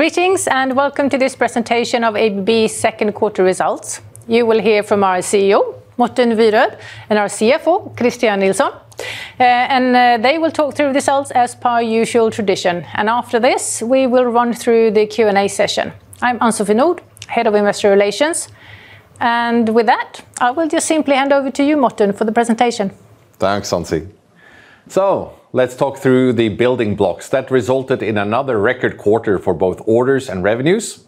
Welcome to this presentation of ABB second quarter results. You will hear from our CEO, Morten Wierod, and our CFO, Christian Nilsson. They will talk through results as per usual tradition. After this, we will run through the Q&A session. I'm Ann-Sofie Nordh, Head of Investor Relations. With that, I will just simply hand over to you, Morten, for the presentation. Thanks, Ann-Sofie. Let's talk through the building blocks that resulted in another record quarter for both orders and revenues,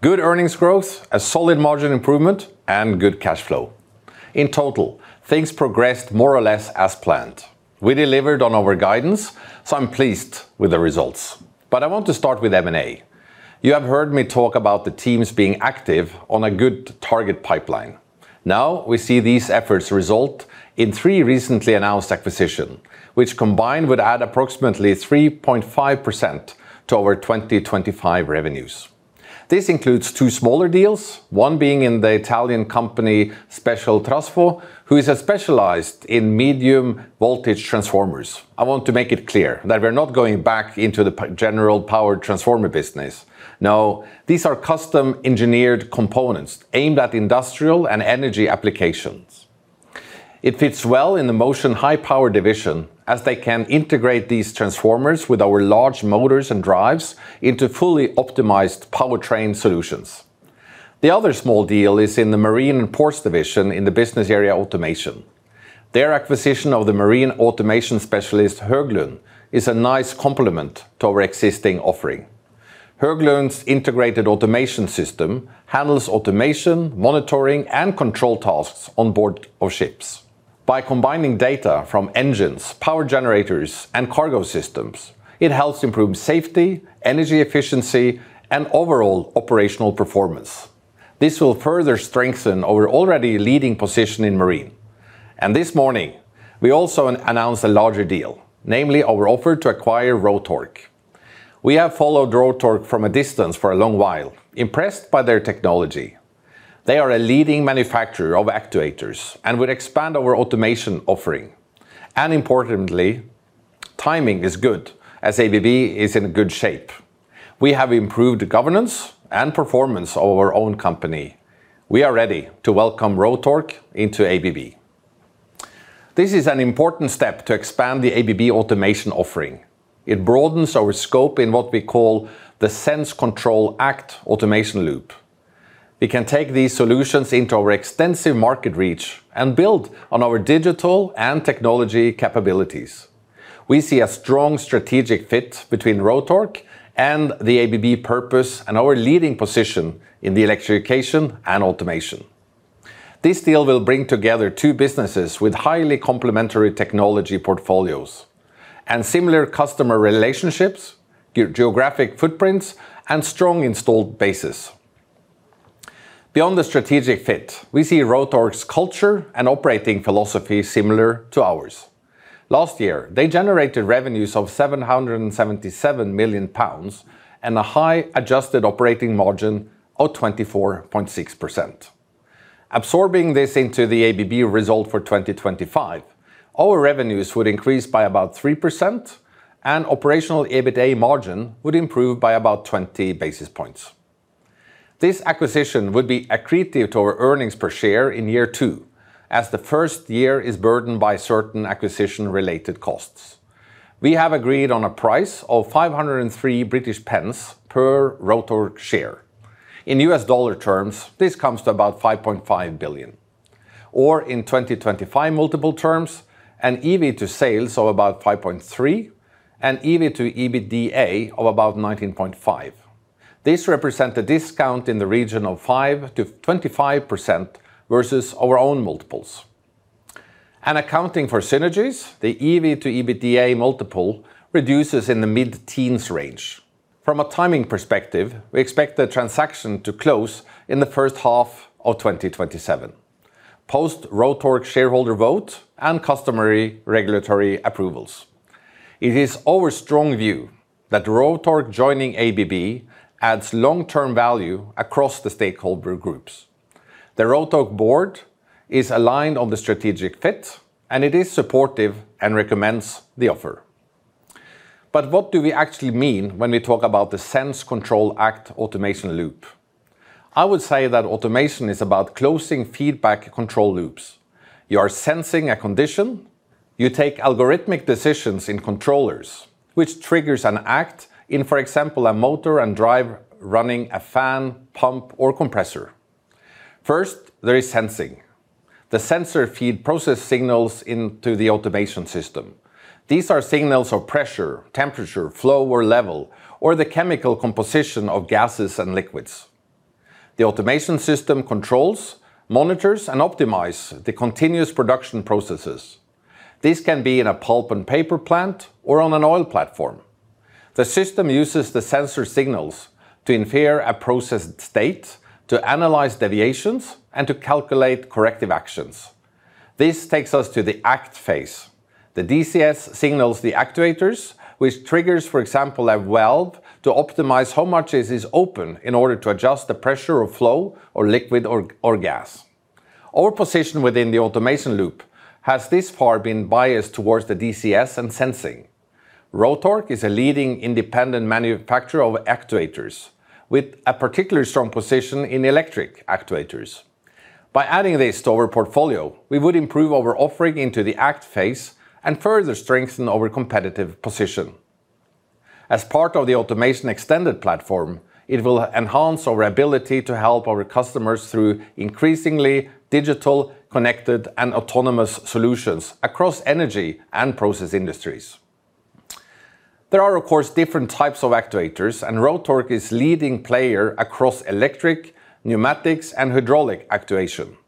good earnings growth, a solid margin improvement, and good cash flow. In total, things progressed more or less as planned. We delivered on our guidance, I'm pleased with the results. I want to start with M&A. You have heard me talk about the teams being active on a good target pipeline. Now we see these efforts result in three recently announced acquisition, which combined would add approximately 3.5% to our 2025 revenues. This includes two smaller deals, one being in the Italian company, Specialtrasfo, who is specialized in medium-voltage transformers. I want to make it clear that we're not going back into the general power transformer business. No, these are custom-engineered components aimed at industrial and energy applications. It fits well in the Motion High Power division, as they can integrate these transformers with our large motors and drives into fully optimized powertrain solutions. The other small deal is in the Marine & Ports division in the business area Automation. Their acquisition of the marine automation specialist, Høglund, is a nice complement to our existing offering. Høglund's integrated automation system handles automation, monitoring, and control tasks on board of ships. By combining data from engines, power generators, and cargo systems, it helps improve safety, energy efficiency, and overall operational performance. This will further strengthen our already leading position in marine. This morning, we also announced a larger deal, namely our offer to acquire Rotork. We have followed Rotork from a distance for a long while, impressed by their technology. They are a leading manufacturer of actuators and would expand our automation offering. Importantly, timing is good, as ABB is in good shape. We have improved governance and performance of our own company. We are ready to welcome Rotork into ABB. This is an important step to expand the ABB automation offering. It broadens our scope in what we call the Sense, Control, Act automation loop. We can take these solutions into our extensive market reach and build on our digital and technology capabilities. We see a strong strategic fit between Rotork and the ABB purpose and our leading position in the Electrification and Automation. This deal will bring together two businesses with highly complementary technology portfolios and similar customer relationships, geographic footprints, and strong installed bases. Beyond the strategic fit, we see Rotork's culture and operating philosophy similar to ours. Last year, they generated revenues of 777 million pounds and a high adjusted operating margin of 24.6%. Absorbing this into the ABB result for 2025, our revenues would increase by about 3%, and Operational EBITA margin would improve by about 20 basis points. This acquisition would be accretive to our earnings per share in year two, as the first year is burdened by certain acquisition-related costs. We have agreed on a price of 5.03 per Rotork share. In USD terms, this comes to about $5.5 billion. In 2025 multiple terms, an EV-to-sales of about 5.3x and EV-to-EBITDA of about 19.5x. This represent a discount in the region of 5%-25% versus our own multiples. Accounting for synergies, the EV-to-EBITDA multiple reduces in the mid-teens range. From a timing perspective, we expect the transaction to close in the first half of 2027, post Rotork shareholder vote and customary regulatory approvals. It is our strong view that Rotork joining ABB adds long-term value across the stakeholder groups. The Rotork board is aligned on the strategic fit, and it is supportive and recommends the offer. What do we actually mean when we talk about the Sense, Control, Act automation loop? I would say that automation is about closing feedback control loops. You are sensing a condition. You take algorithmic decisions in controllers, which triggers an act in, for example, a motor and drive running a fan, pump, or compressor. First, there is sensing. The sensor feed process signals into the automation system. These are signals of pressure, temperature, flow, or level, or the chemical composition of gases and liquids. The automation system controls, monitors, and optimize the continuous production processes. This can be in a pulp and paper plant or on an oil platform. The system uses the sensor signals to infer a process state, to analyze deviations, and to calculate corrective actions. This takes us to the Act phase. The DCS signals the actuators, which triggers, for example, a valve to optimize how much is open in order to adjust the pressure of flow or liquid or gas. Our position within the automation loop has this far been biased towards the DCS and sensing. Rotork is a leading independent manufacturer of actuators with a particularly strong position in electric actuators. By adding this to our portfolio, we would improve our offering into the Act phase and further strengthen our competitive position. As part of the Automation extended platform, it will enhance our ability to help our customers through increasingly digital, connected, and autonomous solutions across energy and process industries. There are, of course, different types of actuators, and Rotork is leading player across electric, pneumatics, and hydraulic actuation.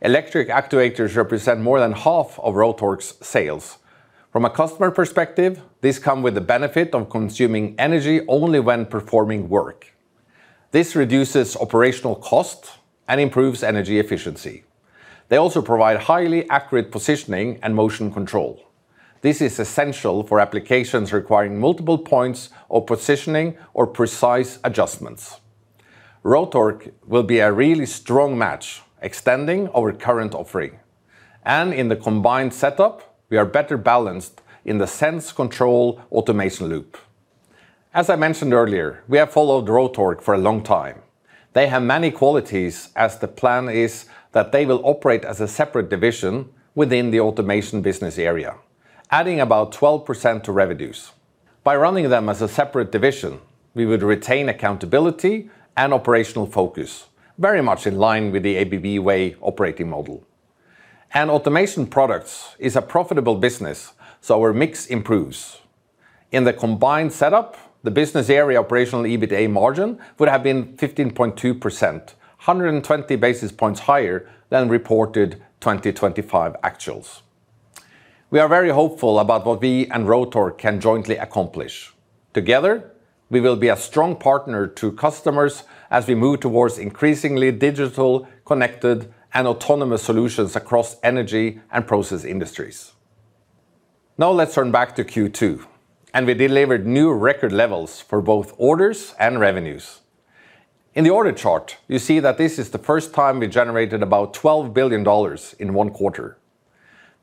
Electric actuators represent more than half of Rotork's sales. From a customer perspective, these come with the benefit of consuming energy only when performing work. This reduces operational cost and improves energy efficiency. They also provide highly accurate positioning and motion control. This is essential for applications requiring multiple points of positioning or precise adjustments. Rotork will be a really strong match, extending our current offering. In the combined setup, we are better balanced in the Sense, Control automation loop. As I mentioned earlier, we have followed Rotork for a long time. They have many qualities as the plan is that they will operate as a separate division within the Automation business area, adding about 12% to revenues. By running them as a separate division, we would retain accountability and operational focus, very much in line with the ABB Way operating model. Automation products is a profitable business, so our mix improves. In the combined setup, the business area operational EBITDA margin would have been 15.2%, 120 basis points higher than reported 2025 actuals. We are very hopeful about what we and Rotork can jointly accomplish. Together, we will be a strong partner to customers as we move towards increasingly digital, connected, and autonomous solutions across energy and process industries. Let's turn back to Q2. We delivered new record levels for both orders and revenues. In the order chart, you see that this is the first time we generated about $12 billion in one quarter.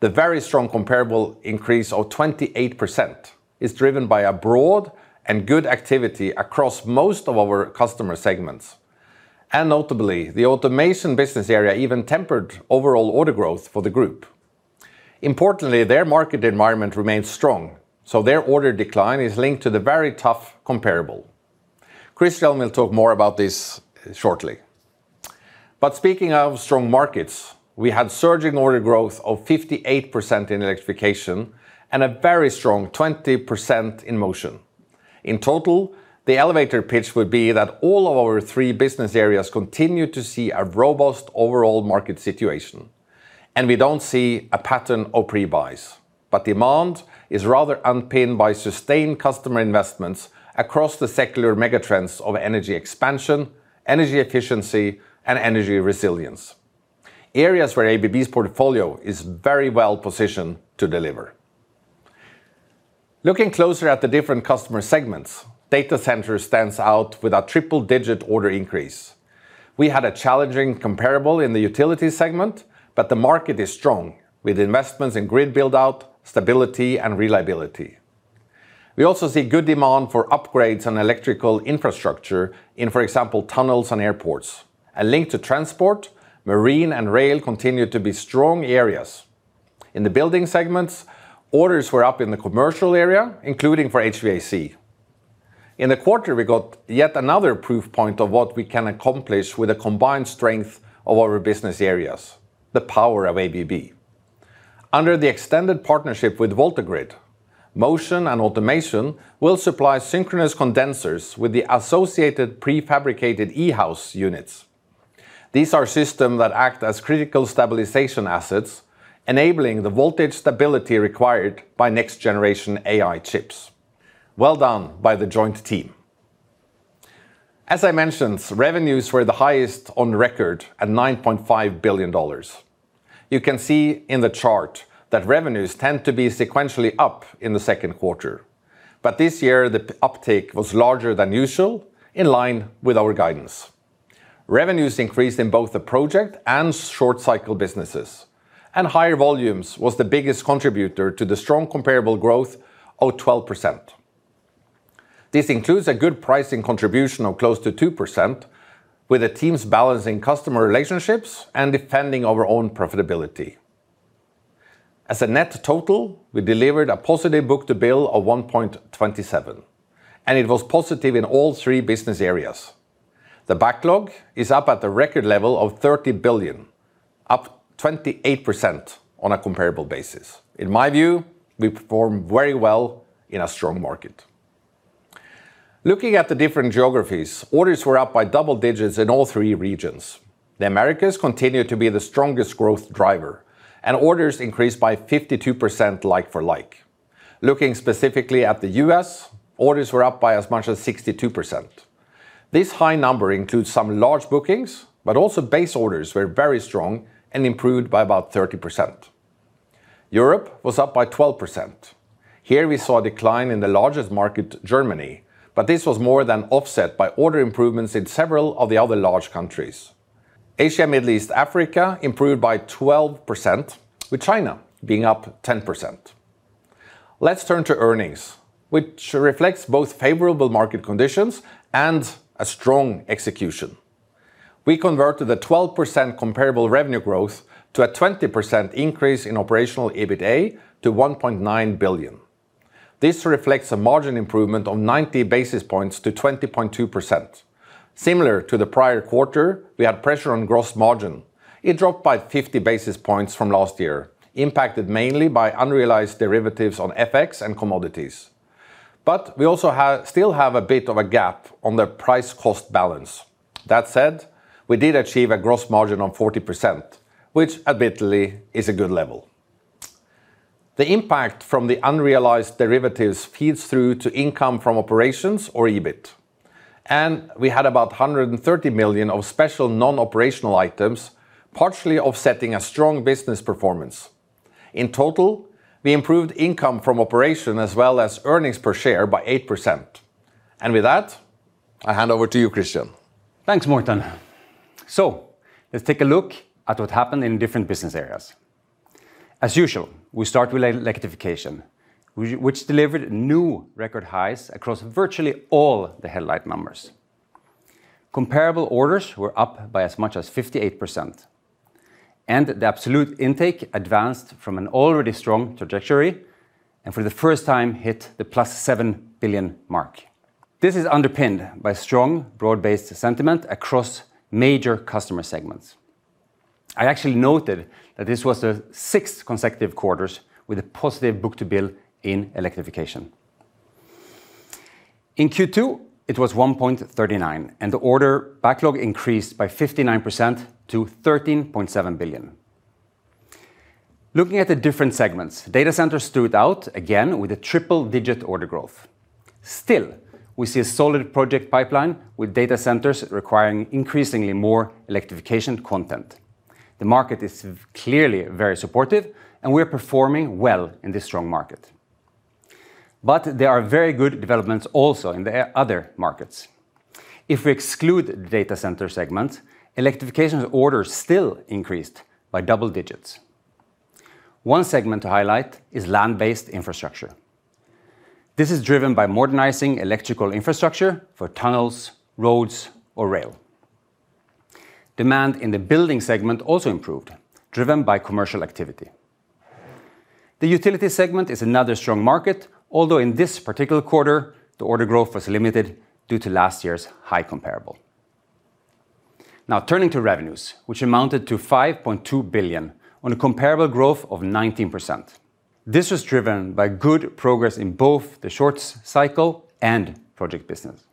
The very strong comparable increase of 28% is driven by a broad and good activity across most of our customer segments. Notably, the Automation business area even tempered overall order growth for the group. Importantly, their market environment remains strong, so their order decline is linked to the very tough comparable. Christian will talk more about this shortly. Speaking of strong markets, we had surging order growth of 58% in Electrification and a very strong 20% in Motion. In total, the elevator pitch would be that all of our three business areas continue to see a robust overall market situation, and we don't see a pattern of pre-buys. Demand is rather unpinned by sustained customer investments across the secular megatrends of energy expansion, energy efficiency, and energy resilience. Areas where ABB's portfolio is very well-positioned to deliver. Looking closer at the different customer segments, data center stands out with a triple-digit order increase. We had a challenging comparable in the Utility segment, but the market is strong, with investments in grid build-out, stability, and reliability. We also see good demand for upgrades on electrical infrastructure in, for example, tunnels and airports. A link to transport, marine, and rail continue to be strong areas. In the building segments, orders were up in the commercial area, including for HVAC. In the quarter, we got yet another proof point of what we can accomplish with the combined strength of our business areas, the power of ABB. Under the extended partnership with VoltaGrid, Motion and Automation will supply synchronous condensers with the associated prefabricated E-house units. These are systems that act as critical stabilization assets, enabling the voltage stability required by next-generation AI chips. Well done by the joint team. As I mentioned, revenues were the highest on record at $9.5 billion. You can see in the chart that revenues tend to be sequentially up in the second quarter, but this year the uptake was larger than usual, in line with our guidance. Revenues increased in both the project and short-cycle businesses, and higher volumes was the biggest contributor to the strong comparable growth of 12%. This includes a good pricing contribution of close to 2% with the teams balancing customer relationships and defending our own profitability. As a net total, we delivered a positive book-to-bill of 1.27, and it was positive in all three business areas. The backlog is up at the record level of $30 billion, up 28% on a comparable basis. In my view, we performed very well in a strong market. Looking at the different geographies, orders were up by double digits in all three regions. The Americas continued to be the strongest growth driver. Orders increased by 52% like-for-like. Looking specifically at the U.S., orders were up by as much as 62%. This high number includes some large bookings, but also base orders were very strong and improved by about 30%. Europe was up by 12%. Here we saw a decline in the largest market, Germany, but this was more than offset by order improvements in several of the other large countries. Asia, Middle East, Africa improved by 12%, with China being up 10%. Let's turn to earnings, which reflects both favorable market conditions and a strong execution. We converted the 12% comparable revenue growth to a 20% increase in Operational EBITA to $1.9 billion. This reflects a margin improvement of 90 basis points to 20.2%. Similar to the prior quarter, we had pressure on gross margin. It dropped by 50 basis points from last year, impacted mainly by unrealized derivatives on FX and commodities. We also still have a bit of a gap on the price-cost balance. That said, we did achieve a gross margin of 40%, which admittedly is a good level. The impact from the unrealized derivatives feeds through to income from operations or EBIT. We had about $130 million of special non-operational items, partially offsetting a strong business performance. In total, we improved income from operation as well as earnings per share by 8%. With that, I hand over to you, Christian. Thanks, Morten. Let's take a look at what happened in different business areas. As usual, we start with Electrification, which delivered new record highs across virtually all the headlight numbers. Comparable orders were up by as much as 58%. The absolute intake advanced from an already strong trajectory, and for the first time hit the +$7 billion mark. This is underpinned by strong, broad-based sentiment across major customer segments. I actually noted that this was the sixth consecutive quarters with a positive book-to-bill in Electrification. In Q2, it was 1.39. The order backlog increased by 59% to $13.7 billion. Looking at the different segments, data centers stood out again with a triple-digit order growth. Still, we see a solid project pipeline, with data centers requiring increasingly more Electrification content. The market is clearly very supportive. We are performing well in this strong market. There are very good developments also in the other markets. If we exclude the data center segment, Electrification orders still increased by double digits. One segment to highlight is land-based infrastructure. This is driven by modernizing electrical infrastructure for tunnels, roads, or rail. Demand in the building segment also improved, driven by commercial activity. The utility segment is another strong market, although in this particular quarter, the order growth was limited due to last year's high comparable. Now turning to revenues, which amounted to $5.2 billion on a comparable growth of 19%. This was driven by good progress in both the short cycle and project business.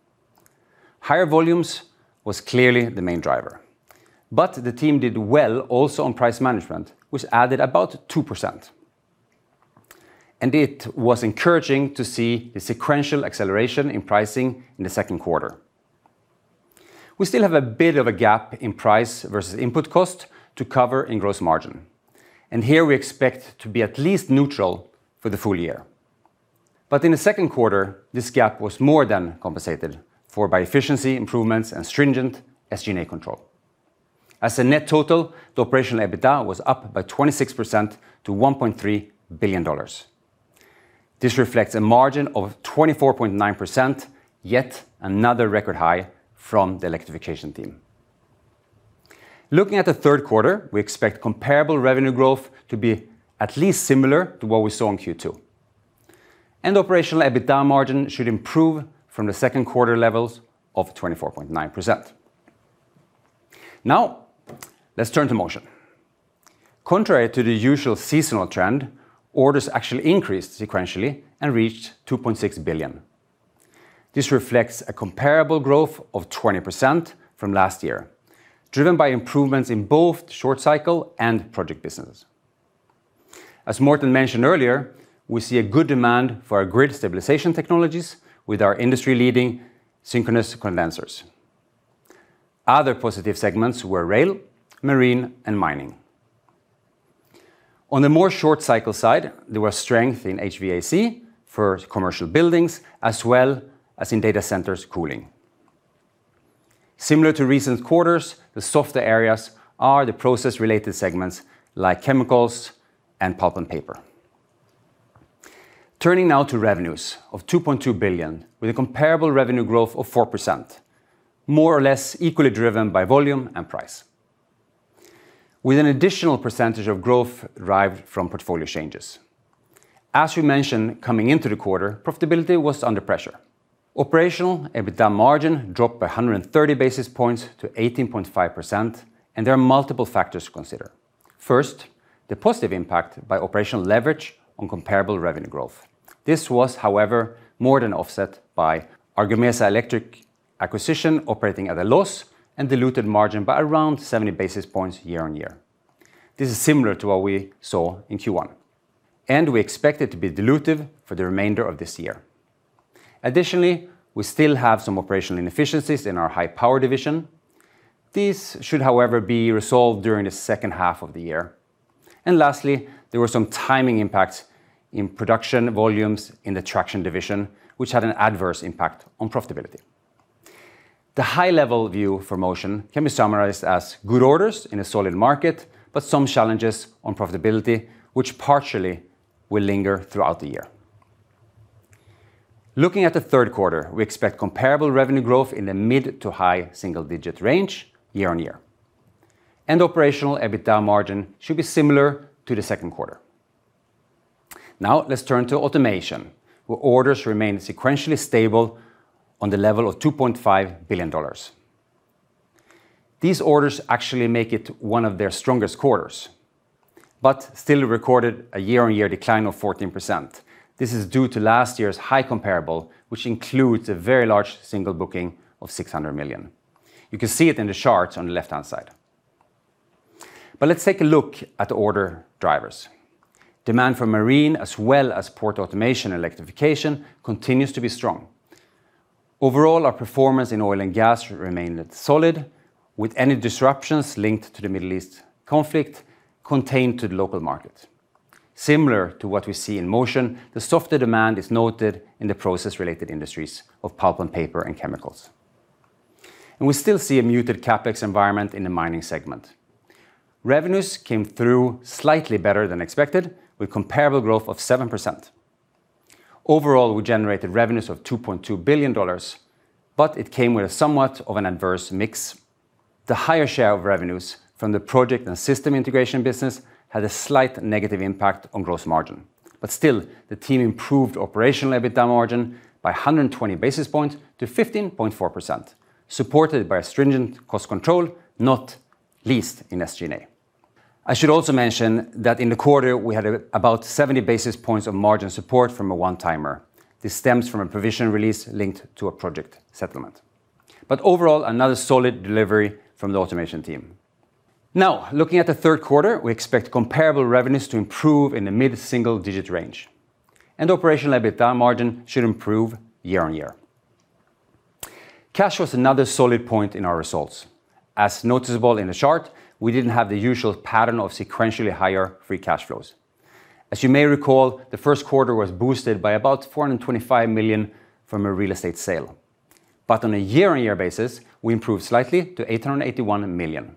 Higher volumes was clearly the main driver, but the team did well also on price management, which added about 2%. It was encouraging to see the sequential acceleration in pricing in the second quarter. We still have a bit of a gap in price versus input cost to cover in gross margin. Here we expect to be at least neutral for the full-year. In the second quarter, this gap was more than compensated for by efficiency improvements and stringent SG&A control. As a net total, the Operational EBITA was up by 26% to $1.3 billion. This reflects a margin of 24.9%, yet another record high from the Electrification team. Looking at the third quarter, we expect comparable revenue growth to be at least similar to what we saw in Q2, and Operational EBITA margin should improve from the second quarter levels of 24.9%. Let's turn to Motion. Contrary to the usual seasonal trend, orders actually increased sequentially and reached $2.6 billion. This reflects a comparable growth of 20% from last year, driven by improvements in both the short cycle and project business. As Morten mentioned earlier, we see a good demand for our grid stabilization technologies with our industry-leading synchronous condensers. Other positive segments were rail, marine, and mining. On the more short cycle side, there was strength in HVAC for commercial buildings as well as in data centers cooling. Similar to recent quarters, the softer areas are the process-related segments like chemicals and pulp and paper. Turning now to revenues of $2.2 billion, with a comparable revenue growth of 4%, more or less equally driven by volume and price, with an additional percentage of growth derived from portfolio changes. As we mentioned, coming into the quarter, profitability was under pressure. Operational EBITA margin dropped by 130 basis points to 18.5%. There are multiple factors to consider. First, the positive impact by operational leverage on comparable revenue growth. This was, however, more than offset by our Gamesa Electric acquisition operating at a loss and diluted margin by around 70 basis points year-on-year. This is similar to what we saw in Q1, and we expect it to be dilutive for the remainder of this year. Additionally, we still have some operational inefficiencies in our High Power Division. These should, however, be resolved during the second half of the year. Lastly, there were some timing impacts in production volumes in the traction division, which had an adverse impact on profitability. The high-level view for Motion can be summarized as good orders in a solid market, but some challenges on profitability, which partially will linger throughout the year. Looking at the third quarter, we expect comparable revenue growth in the mid to high single-digit range year-on-year. Operational EBITA margin should be similar to the second quarter. Let's turn to Automation, where orders remain sequentially stable on the level of $2.5 billion. These orders actually make it one of their strongest quarters, but still recorded a year-on-year decline of 14%. This is due to last year's high comparable, which includes a very large single booking of $600 million. You can see it in the charts on the left-hand side. Let's take a look at order drivers. Demand for Marine as well as port automation and Electrification continues to be strong. Overall, our performance in oil and gas remained solid, with any disruptions linked to the Middle East conflict contained to the local market. Similar to what we see in Motion, the softer demand is noted in the process-related industries of pulp and paper and chemicals. We still see a muted CapEx environment in the Mining segment. Revenues came through slightly better than expected, with comparable growth of 7%. Overall, we generated revenues of $2.2 billion, it came with somewhat of an adverse mix. The higher share of revenues from the project and system integration business had a slight negative impact on gross margin. Still, the team improved Operational EBITA margin by 120 basis points to 15.4%, supported by a stringent cost control, not least in SG&A. I should also mention that in the quarter, we had about 70 basis points of margin support from a one-timer. This stems from a provision release linked to a project settlement. Overall, another solid delivery from the Automation team. Looking at the third quarter, we expect comparable revenues to improve in the mid-single-digit range. Operational EBITA margin should improve year-on-year. Cash was another solid point in our results. As noticeable in the chart, we didn't have the usual pattern of sequentially higher free cash flows. As you may recall, the first quarter was boosted by about $425 million from a real estate sale. On a year-on-year basis, we improved slightly to $881 million.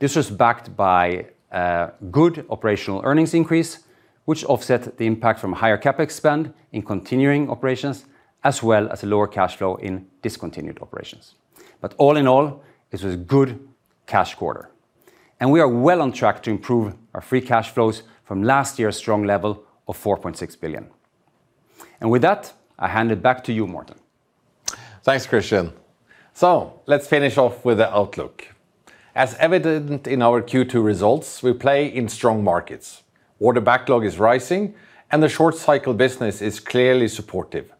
This was backed by a good operational earnings increase, which offset the impact from higher CapEx spend in continuing operations, as well as a lower cash flow in discontinued operations. All in all, this was a good cash quarter. We are well on track to improve our free cash flows from last year's strong level of $4.6 billion. With that, I hand it back to you, Morten. Thanks, Christian. Let's finish off with the outlook. As evident in our Q2 results, we play in strong markets. Order backlog is rising, and the short-cycle business is clearly supportive.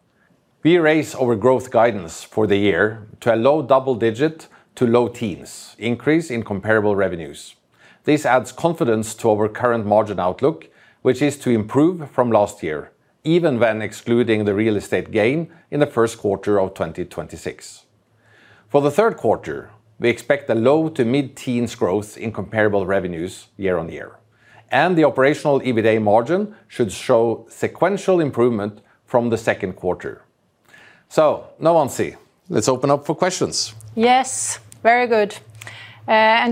We raise our growth guidance for the year to a low double-digit to low teens increase in comparable revenues. This adds confidence to our current margin outlook, which is to improve from last year, even when excluding the real estate gain in the first quarter of 2026. For the third quarter, we expect a low- to mid-teens growth in comparable revenues year-on-year, and the Operational EBITA margin should show sequential improvement from the second quarter. Ann-Sofie, let's open up for questions. Yes. Very good.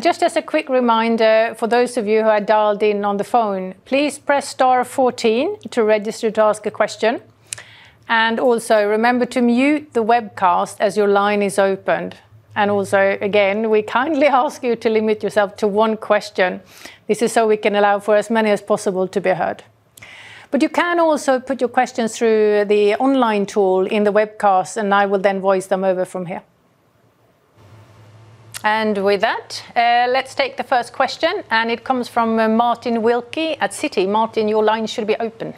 Just as a quick reminder, for those of you who are dialed in on the phone, please press star 14 to register to ask a question. Also, remember to mute the webcast as your line is opened. Also, again, we kindly ask you to limit yourself to one question. This is so we can allow for as many as possible to be heard. You can also put your questions through the online tool in the webcast, I will then voice them over from here. With that, let's take the first question, it comes from Martin Wilkie at Citi. Martin, your line should be open.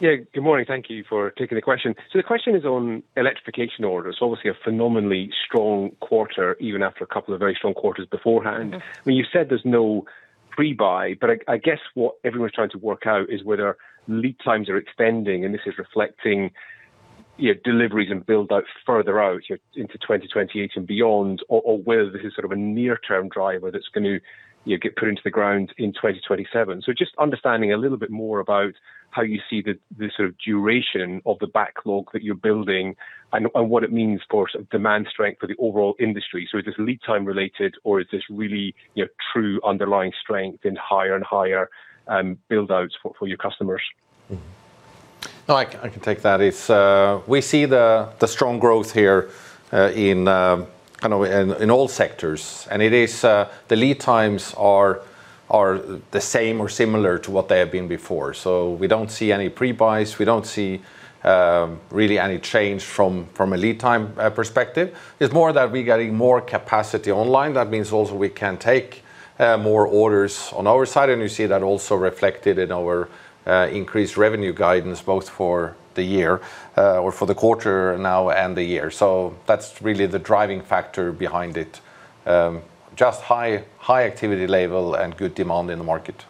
Yeah. Good morning. Thank you for taking the question. The question is on Electrification orders. Obviously, a phenomenally strong quarter, even after a couple of very strong quarters beforehand. You said there's no pre-buy. I guess what everyone's trying to work out is whether lead times are extending, and this is reflecting deliveries and build-out further out into 2028 and beyond, or whether this is sort of a near-term driver that's going to get put into the ground in 2027. Just understanding a little bit more about how you see the sort of duration of the backlog that you're building and what it means for demand strength for the overall industry. Is this lead time related, or is this really true underlying strength in higher and higher build-outs for your customers? No, I can take that. We see the strong growth here in all sectors. The lead times are the same or similar to what they have been before. We don't see any pre-buys. We don't see really any change from a lead time perspective. It's more that we're getting more capacity online. That means also we can take more orders on our side, and you see that also reflected in our increased revenue guidance, both for the quarter now and the year. That's really the driving factor behind it. Just high activity level and good demand in the market.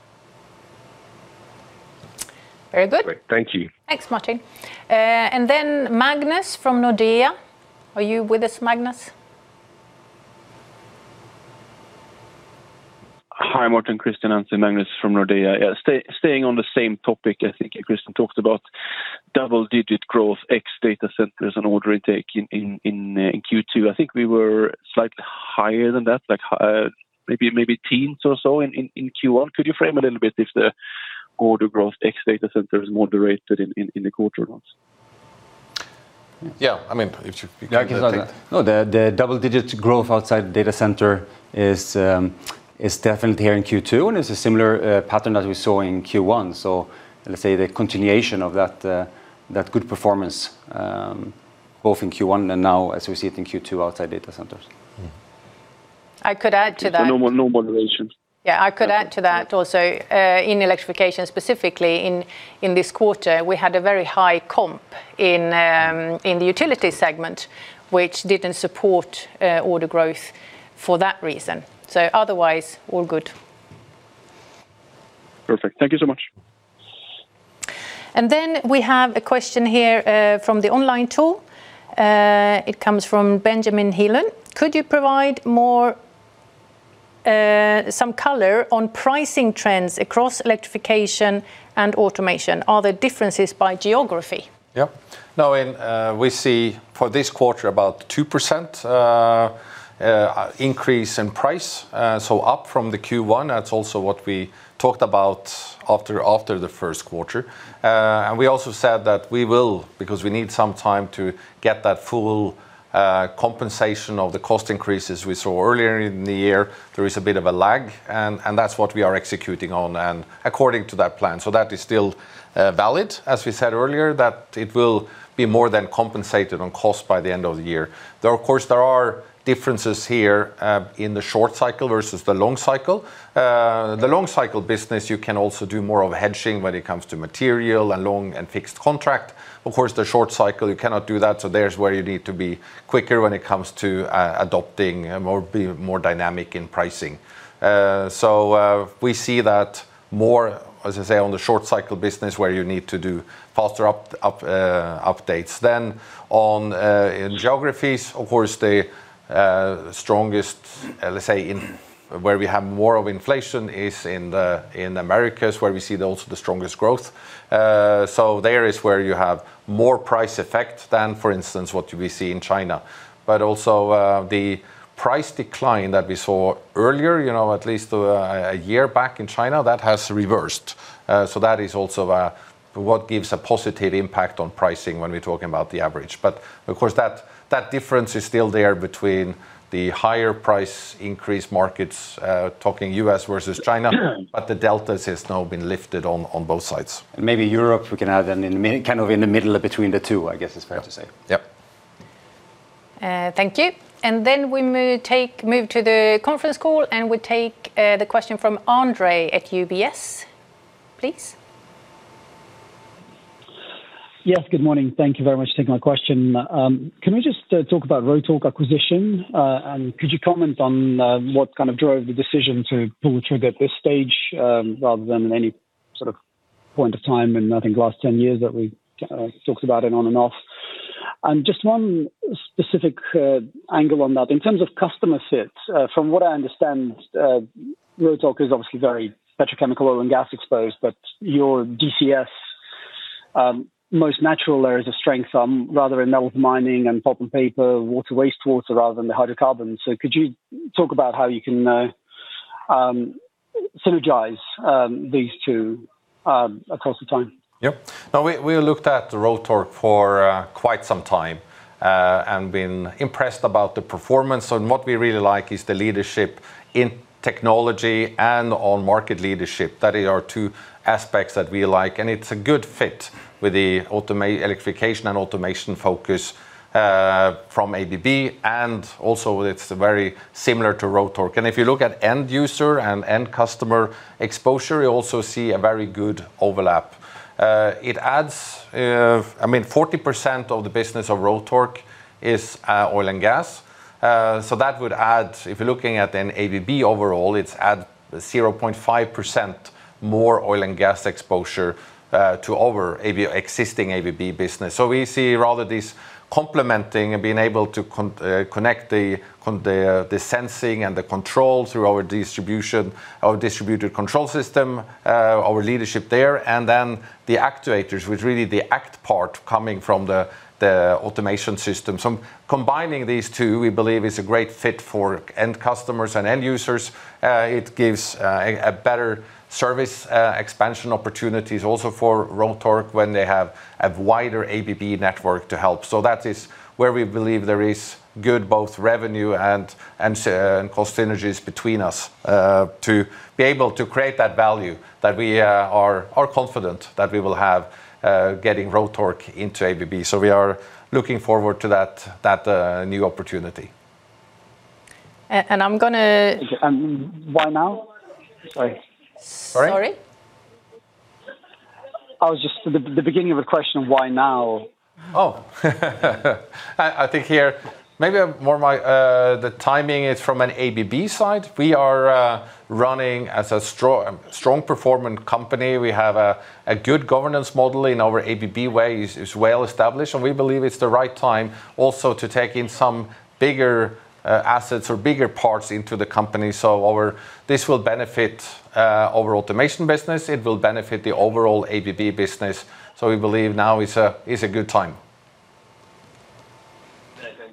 Very good. Great. Thank you. Thanks, Martin. Magnus from Nordea. Are you with us, Magnus? Hi, Morten, Christian. It's Magnus from Nordea. Staying on the same topic I think Christian talked about, double-digit growth ex data centers and order intake in Q2. I think we were slightly higher than that, maybe teens or so in Q1. Could you frame a little bit if the order growth ex data center is moderated in the quarter? Yeah. No, the double-digit growth outside data center is definitely here in Q2, and it's a similar pattern that we saw in Q1. Let's say the continuation of that good performance, both in Q1 and now as we see it in Q2 outside data centers. I could add to that. No moderations. Yeah, I could add to that also. In Electrification specifically in this quarter, we had a very high comp in the Utility segment, which didn't support order growth for that reason. Otherwise, all good. Perfect. Thank you so much. We have a question here from the online tool. It comes from Benjamin Heelan. Could you provide some color on pricing trends across Electrification and Automation? Are there differences by geography? Now, we see for this quarter about 2% increase in price. Up from the Q1. That is also what we talked about after the first quarter. We also said that we will, because we need some time to get that full compensation of the cost increases we saw earlier in the year. There is a bit of a lag, and that is what we are executing on and according to that plan. That is still valid, as we said earlier, that it will be more than compensated on cost by the end of the year. Of course, there are differences here in the short cycle versus the long cycle. The long cycle business, you can also do more of hedging when it comes to material and long and fixed contract. Of course, the short cycle, you cannot do that, there is where you need to be quicker when it comes to adopting, be more dynamic in pricing. We see that more, as I say, on the short cycle business where you need to do faster updates. In geographies, of course, the strongest, let us say where we have more of inflation is in the Americas, where we see also the strongest growth. There is where you have more price effect than, for instance, what we see in China. Also, the price decline that we saw earlier, at least a year back in China, that has reversed. That is also what gives a positive impact on pricing when we are talking about the average. Of course, that difference is still there between the higher price increase markets, talking U.S. versus China, but the delta has now been lifted on both sides. Maybe Europe we can add in the middle between the two, I guess is fair to say. Yep. Thank you. Then we move to the conference call, we take the question from Andre at UBS, please. Yes, good morning. Thank you very much for taking my question. Can we just talk about Rotork acquisition, could you comment on what drove the decision to pull the trigger at this stage, rather than any sort of point of time in, I think, the last 10 years that we've talked about it on and off? Just one specific angle on that. In terms of customer fit, from what I understand, Rotork is obviously very petrochemical oil and gas exposed, but your DCS, most natural areas of strength are rather in metal mining and pulp and paper, waste water rather than the hydrocarbons. Could you talk about how you can synergize these two across the time? Yep. We looked at Rotork for quite some time, and been impressed about the performance. What we really like is the leadership in technology and on market leadership. That are our two aspects that we like, and it's a good fit with the Electrification and Automation focus from ABB, also it's very similar to Rotork. If you look at end user and end customer exposure, you also see a very good overlap. 40% of the business of Rotork is oil and gas. That would add, if you're looking at then ABB overall, it's at 0.5% more oil and gas exposure to our existing ABB business. We see rather this complementing and being able to connect the sensing and the control through our distributed control system, our leadership there, and then the actuators with really the act part coming from the Automation system. Combining these two, we believe is a great fit for end customers and end users. It gives a better service expansion opportunities also for Rotork when they have a wider ABB network to help. That is where we believe there is good both revenue and cost synergies between us, to be able to create that value that we are confident that we will have getting Rotork into ABB. We are looking forward to that new opportunity. I'm going to. Why now? Sorry. Sorry? The beginning of the question, why now? I think here maybe the timing is from an ABB side. We are running as a strong performing company. We have a good governance model in our ABB Way is well established, we believe it's the right time also to take in some bigger assets or bigger parts into the company. This will benefit our Automation business, it will benefit the overall ABB business. We believe now is a good time.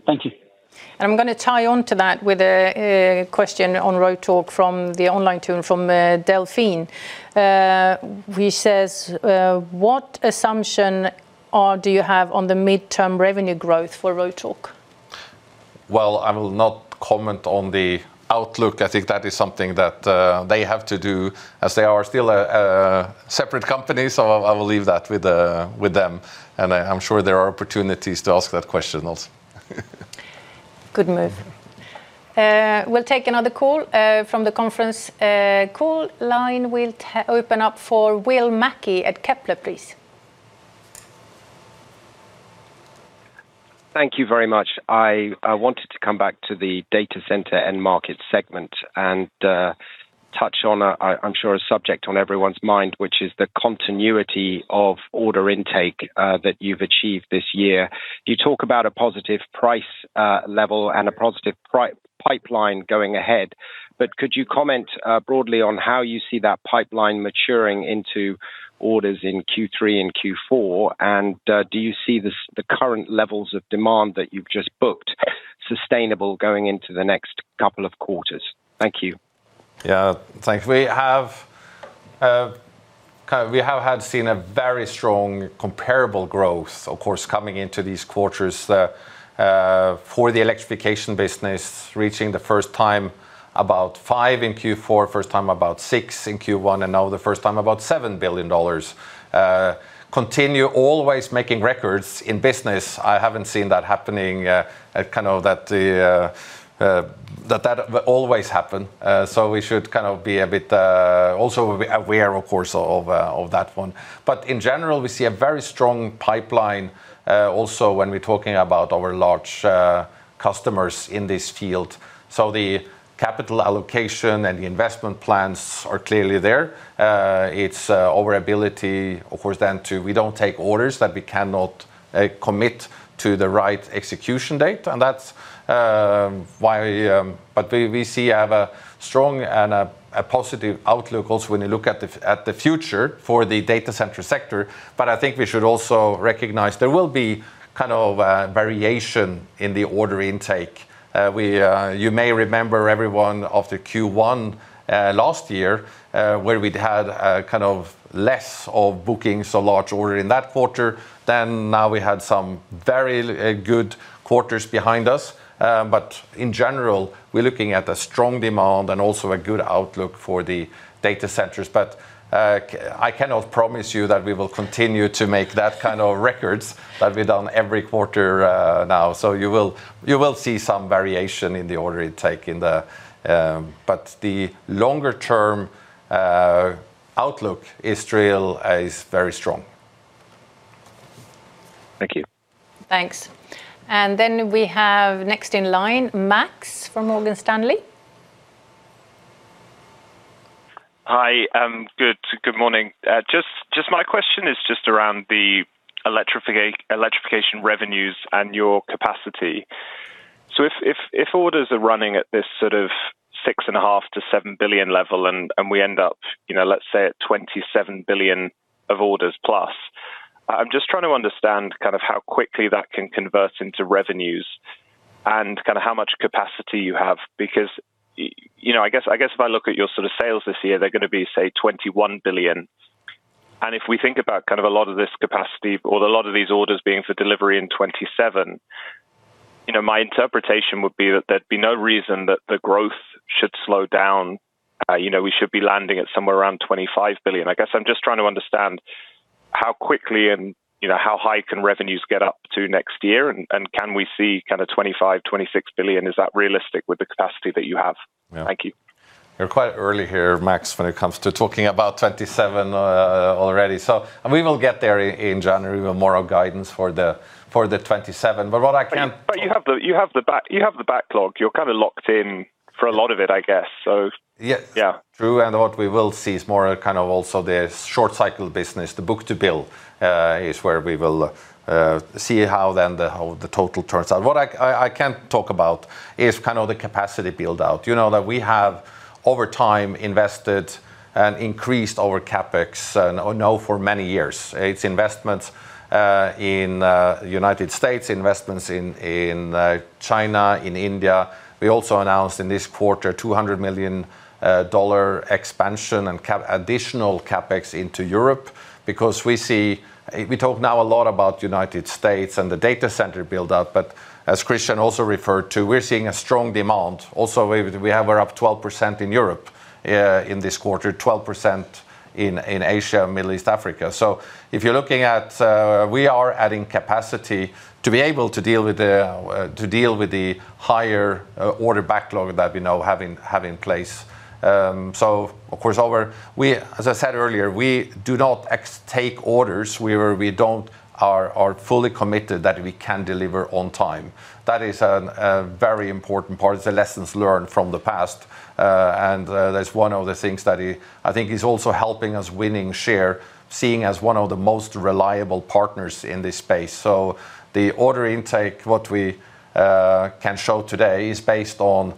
Thank you. I'm going to tie onto that with a question on Rotork from the online queue from Delphine, who says, what assumption do you have on the midterm revenue growth for Rotork? Well, I will not comment on the outlook. I think that is something that they have to do as they are still a separate company. I'm sure there are opportunities to ask that question also. Good move. We'll take another call from the conference call line. We'll open up for Will Mackie at Kepler, please. Thank you very much. I wanted to come back to the data center end market segment and touch on, I'm sure, a subject on everyone's mind, which is the continuity of order intake that you've achieved this year. Do you talk about a positive price level and a positive pipeline going ahead? Could you comment broadly on how you see that pipeline maturing into orders in Q3 and Q4? Do you see the current levels of demand that you've just booked sustainable going into the next couple of quarters? Thank you. Yeah. Thanks. We have seen a very strong comparable growth, of course, coming into these quarters, for the Electrification business, reaching the first time about $5 billion in Q4, first time about $6 billion in Q1, and now the first time about $7 billion. Continue always making records in business. I haven't seen that happening, that always happen. We should kind of be a bit also aware, of course, of that one. In general, we see a very strong pipeline, also when we're talking about our large customers in this field. The capital allocation and the investment plans are clearly there. It's our ability, of course, then to we don't take orders that we cannot commit to the right execution date, we see we have a strong and a positive outlook also when you look at the future for the data center sector. I think we should also recognize there will be kind of a variation in the order intake. You may remember everyone after Q1 last year, where we'd had kind of less of bookings, no large order in that quarter. Now we had some very good quarters behind us. In general, we're looking at a strong demand and also a good outlook for the data centers. I cannot promise you that we will continue to make that kind of records that we've done every quarter now. You will see some variation in the order intake, but the longer-term outlook is very strong. Thank you. Thanks. Then we have next in line, Max from Morgan Stanley. Hi. Good morning. My question is just around the Electrification revenues and your capacity. If orders are running at this sort of $6.5 billion-$7 billion level, and we end up, let's say at $27 billion of orders plus, I'm just trying to understand kind of how quickly that can convert into revenues and kind of how much capacity you have. I guess if I look at your sort of sales this year, they're going to be, say, $21 billion. If we think about kind of a lot of this capacity or a lot of these orders being for delivery in 2027, my interpretation would be that there'd be no reason that the growth should slow down. We should be landing at somewhere around $25 billion. I guess I'm just trying to understand how quickly and how high can revenues get up to next year. Can we see kind of $25 billion, $26 billion? Is that realistic with the capacity that you have? Thank you. You're quite early here, Max, when it comes to talking about 2027 already. We will get there in January with more guidance for 2027. What I can- You have the backlog. You're kind of locked in for a lot of it, I guess. Yeah. True. What we will see is more kind of also the short cycle business. The book-to-bill is where we will see how then the total turns out. What I can talk about is kind of the capacity build-out. You know that we have over time invested and increased our CapEx now for many years. It's investments in the U.S., investments in China, in India. We also announced in this quarter $200 million expansion and additional CapEx into Europe because we talk now a lot about the U.S. and the data center build-up, as Christian also referred to, we're seeing a strong demand also. We are up 12% in Europe in this quarter, 12% in Asia, Middle East, Africa. If you're looking at- We are adding capacity to be able to deal with the higher order backlog that we now have in place. Of course, as I said earlier, we do not take orders where we aren't fully committed that we can deliver on time. That is a very important part. It's the lessons learned from the past. That's one of the things that I think is also helping us winning share, seen as one of the most reliable partners in this space. The order intake, what we can show today is based on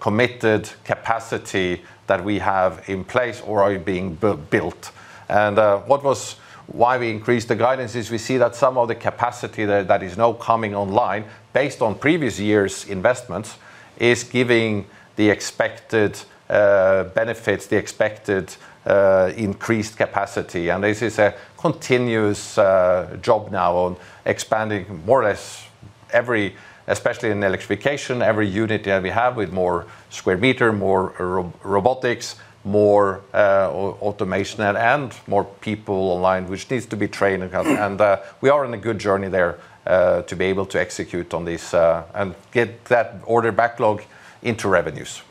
committed capacity that we have in place or are being built. Why we increased the guidance is we see that some of the capacity that is now coming online based on previous years' investments, is giving the expected benefits, the expected increased capacity. This is a continuous job now on expanding more or less, especially in Electrification, every unit that we have with more square meter, more Robotics, more Automation and more people aligned, which needs to be trained. We are on a good journey there to be able to execute on this, and get that order backlog into revenues.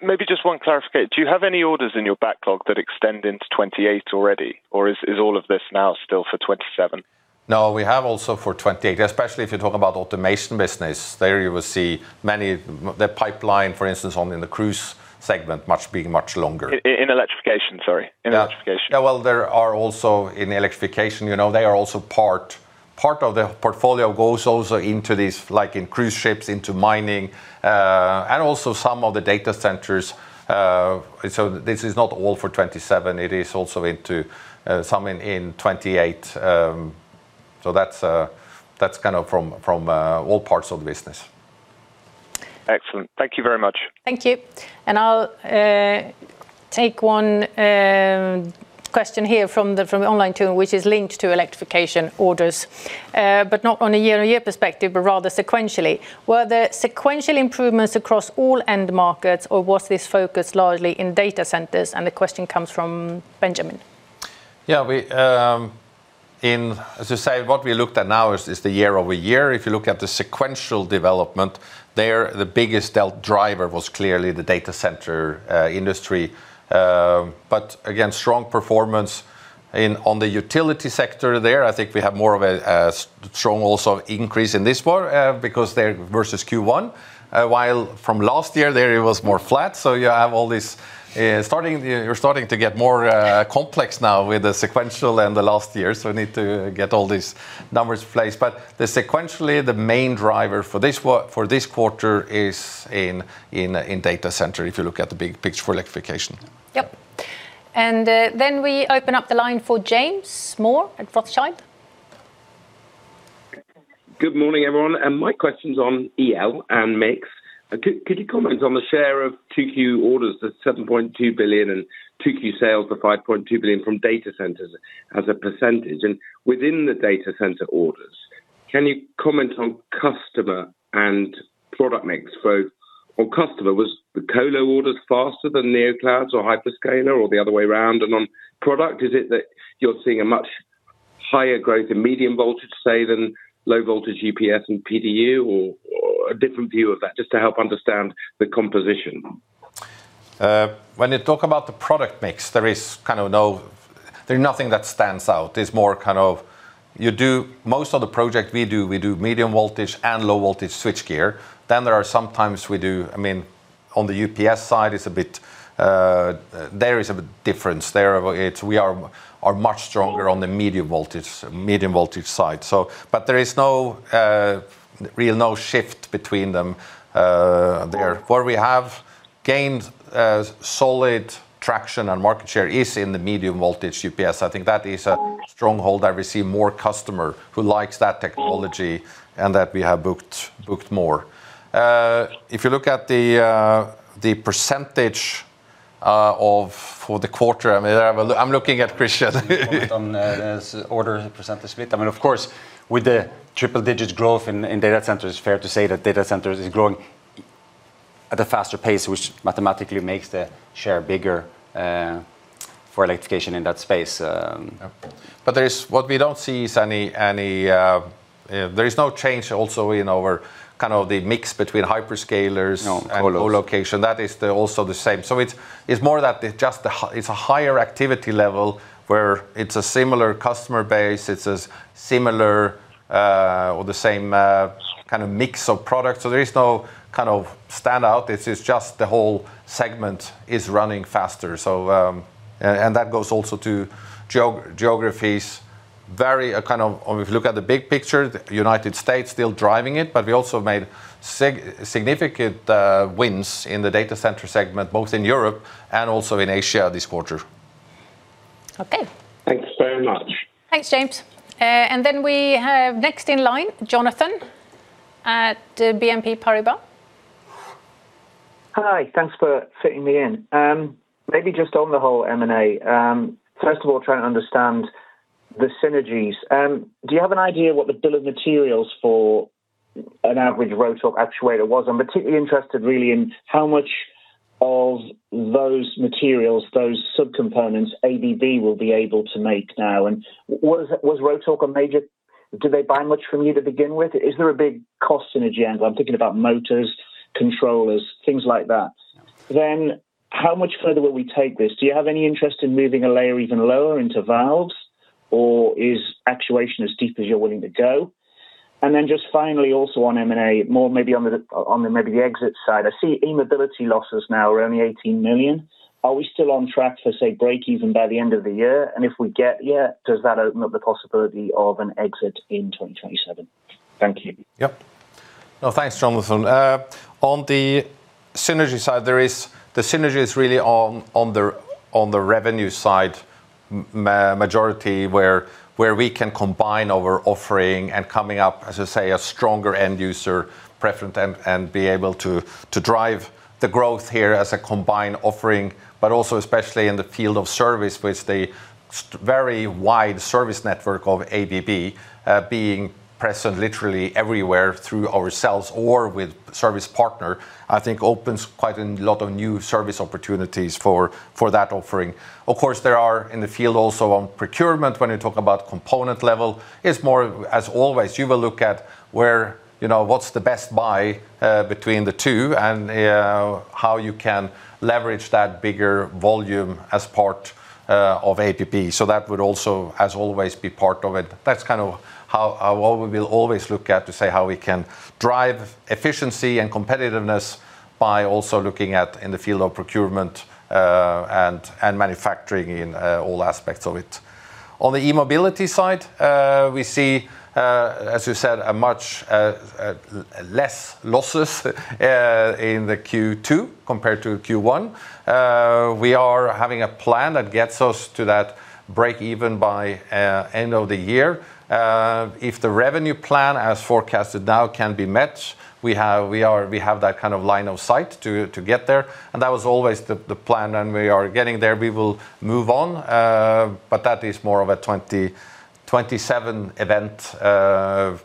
Maybe just one clarification. Do you have any orders in your backlog that extend into 2028 already, or is all of this now still for 2027? No, we have also for 2028, especially if you talk about Automation business. There you will see the pipeline, for instance, in the cruise segment being much longer. In Electrification. Sorry. In Electrification. Well, in Electrification, part of the portfolio goes also into these cruise ships, into mining, and also some of the data centers. This is not all for 2027. It is also into some in 2028. That's from all parts of the business. Excellent. Thank you very much. Thank you. I'll take one question here from the online tool, which is linked to Electrification orders. Not on a year-on-year perspective, but rather sequentially. Were the sequential improvements across all end markets, or was this focused largely in data centers? The question comes from Benjamin. Yeah. As I said, what we looked at now is the year-over-year. If you look at the sequential development, there the biggest driver was clearly the data center industry. Again, strong performance on the utility sector there. I think we have more of a strong increase in this quarter versus Q1, while from last year there it was more flat. You're starting to get more complex now with the sequential and the last year, so we need to get all these numbers in place. Sequentially, the main driver for this quarter is in data center, if you look at the big picture for Electrification. Yep. Then we open up the line for James Moore at Rothschild. Good morning, everyone. My question's on Electrification and mix. Could you comment on the share of 2Q orders, the $7.2 billion, and 2Q sales for $5.2 billion from data centers as a percentage? Within the data center orders, can you comment on customer and product mix, both on customer, was the colo orders faster than neoclouds or Hyperscaler or the other way around? On product, is it that you're seeing a much higher growth in medium voltage, say, than low voltage UPS and PDU, or a different view of that, just to help understand the composition? When you talk about the product mix, there's nothing that stands out. Most of the project we do, we do medium voltage and low voltage switchgear. There are sometimes on the UPS side, there is a difference there. We are much stronger on the medium voltage side. There is no real shift between them there. Where we have gained solid traction and market share is in the medium-voltage UPS. I think that is a stronghold that we see more customer who likes that technology, and that we have booked more. If you look at the percentage for the quarter, I'm looking at Christian. On order percentage split. Of course, with the triple digits growth in data centers, it's fair to say that data centers is growing at a faster pace, which mathematically makes the share bigger for Electrification in that space. What we don't see is, there is no change also in our mix between Hyperscalers- No, colocation Colocation. That is also the same. It's more that it's a higher activity level, where it's a similar customer base, it's a similar, or the same, mix of products. There is no standout. It's just the whole segment is running faster. That goes also to geographies. If you look at the big picture, the United States still driving it, but we also made significant wins in the data center segment, both in Europe and also in Asia this quarter. Okay. Thanks very much. Thanks, James. Then we have next in line, Jonathan at BNP Paribas. Hi. Thanks for fitting me in. Maybe just on the whole M&A, first of all, trying to understand the synergies. Do you have an idea what the bill of materials for an average Rotork actuator was? I'm particularly interested really in how much of those materials, those sub-components ABB will be able to make now. Do they buy much from you to begin with? Is there a big cost synergy angle? I'm thinking about motors, controllers, things like that. How much further will we take this? Do you have any interest in moving a layer even lower into valves, or is actuation as deep as you're willing to go? Just finally, also on M&A, more maybe on the exit side. I see e-mobility losses now are only $18 million. Are we still on track for, say, breakeven by the end of the year? If we get there, does that open up the possibility of an exit in 2027? Thank you. Yep. Thanks, Jonathan. On the synergy side, the synergy is really on the revenue side majority where we can combine our offering and coming up, as I say, a stronger end user preference and be able to drive the growth here as a combined offering. Also especially in the field of service with the very wide service network of ABB being present literally everywhere through ourselves or with service partner, I think opens quite a lot of new service opportunities for that offering. Of course, there are in the field also on procurement, when you talk about component level, it's more, as always, you will look at what's the best buy between the two and how you can leverage that bigger volume as part of ABB. That would also, as always, be part of it. That's how we will always look at to say how we can drive efficiency and competitiveness by also looking at, in the field of procurement, and manufacturing in all aspects of it. On the e-mobility side, we see, as you said, a much less losses in the Q2 compared to Q1. We are having a plan that gets us to that break even by end of the year. If the revenue plan as forecasted now can be met, we have that kind of line of sight to get there and that was always the plan. We are getting there. We will move on, that is more of a 2027 event,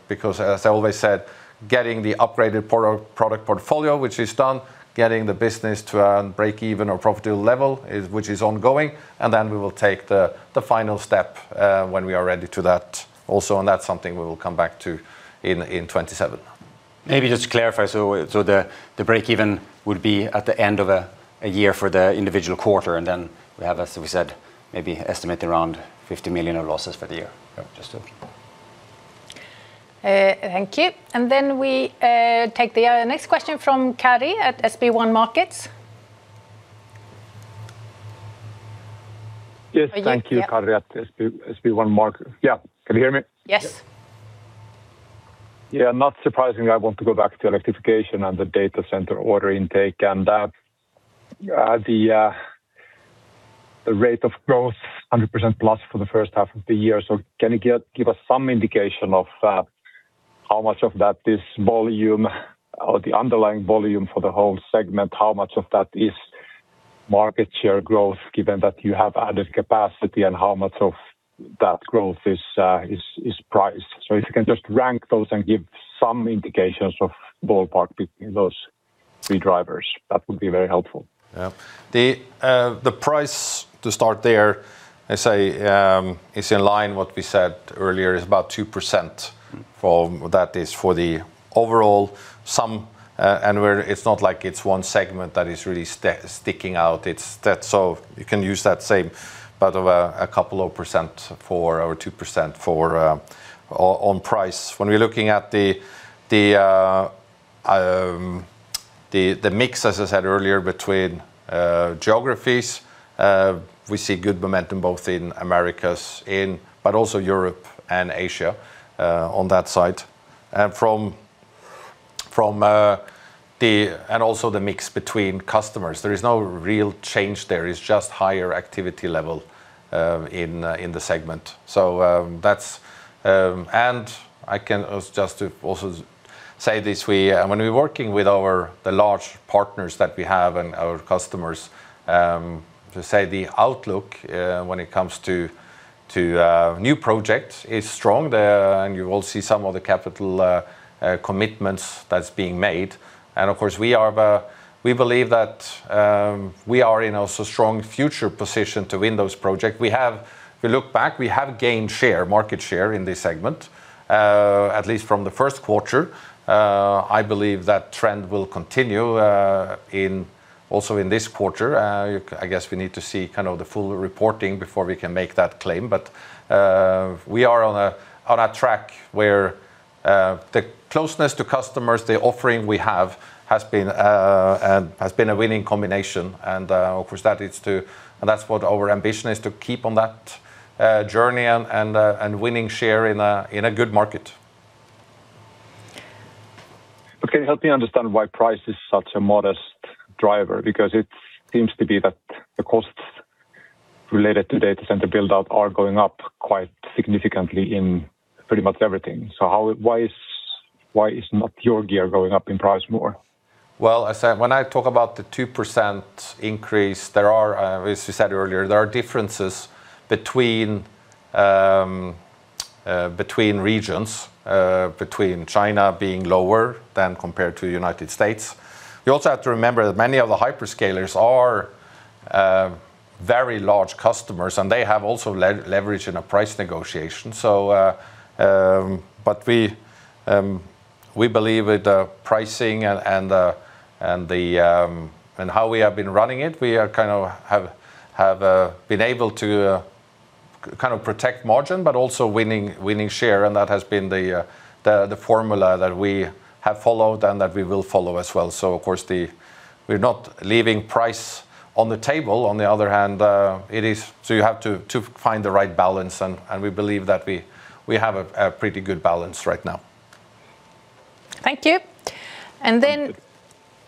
because as I always said, getting the upgraded product portfolio, which is done, getting the business to earn break even or profitable level, which is ongoing. Then we will take the final step when we are ready to that also. That's something we will come back to in 2027. Maybe just to clarify, the break even would be at the end of a year for the individual quarter. Then we have, as we said, maybe estimate around $50 million of losses for the year. Thank you. Then we take the next question from Karri at SB1 Markets. Yes, thank you. Karri at SB1 Markets. Yeah. Can you hear me? Yes. Yeah, not surprising, I want to go back to Electrification and the data center order intake and that the rate of growth 100% plus for the first half of the year. Can you give us some indication of how much of that this volume or the underlying volume for the whole segment, how much of that is market share growth, given that you have added capacity, and how much of that growth is priced? If you can just rank those and give some indications of ballpark between those three drivers, that would be very helpful. Yeah. The price to start there, I say, is in line what we said earlier is about 2% for that is for the overall sum, and where it's not like it's one segment that is really sticking out. You can use that same, but a couple of percent for our 2% on price. When we're looking at the mix, as I said earlier, between geographies, we see good momentum both in Americas, but also Europe and Asia, on that side. Also the mix between customers, there is no real change there. It's just higher activity level in the segment. I can just to also say this, when we're working with the large partners that we have and our customers, to say the outlook when it comes to new projects is strong. You will see some of the capital commitments that's being made. Of course, we believe that we are in also strong future position to win those project. If we look back, we have gained market share in this segment, at least from the first quarter. I believe that trend will continue also in this quarter. I guess we need to see kind of the full reporting before we can make that claim, but we are on a track where the closeness to customers, the offering we have has been a winning combination in our perspective, and that's what our ambition is to keep on that journey and winning share in a good market. Can you help me understand why price is such a modest driver? Because it seems to be that the costs related to data center build-out are going up quite significantly in pretty much everything. Why is not your gear going up in price more? Well, as I said, when I talk about the 2% increase, as you said earlier, there are differences between regions, between China being lower than compared to United States. We also have to remember that many of the Hyperscalers are very large customers, and they have also leverage in a price negotiation. We believe with the pricing and how we have been running it, we have been able to kind of protect margin, but also winning share, and that has been the formula that we have followed and that we will follow as well. Of course, we're not leaving price on the table. On the other hand, you have to find the right balance, and we believe that we have a pretty good balance right now. Thank you.